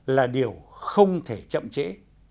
là điều không thể chậm trễ